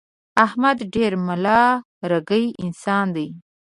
احمد ډېر ملا رګی انسان دی.